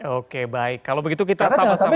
oke baik kalau begitu kita sama sama